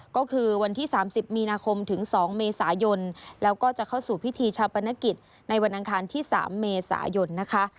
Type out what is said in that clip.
ก็คือวันที่๓๐มีนาคมถึง๒เมษายนแล้วก็จะเข้าสู่พิธีชาปนกิจในวันอังคารที่๓เมษายนนะคะ